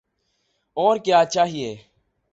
اور کیا چاہیے؟